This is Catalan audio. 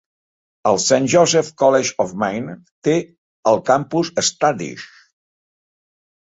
El Saint Joseph's College of Maine té el campus a Standish.